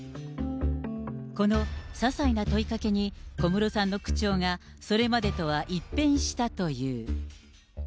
このささいな問いかけに、小室さんの口調がそれまでとは一変したという。